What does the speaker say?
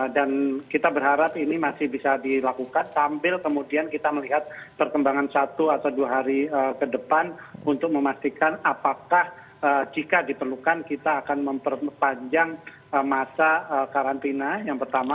dan kita berharap ini masih bisa dilakukan sambil kemudian kita melihat perkembangan satu atau dua hari ke depan untuk memastikan apakah jika diperlukan kita akan memperpanjang masa karantina yang pertama